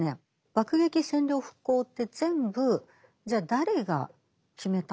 爆撃占領復興って全部じゃあ誰が決めたのか。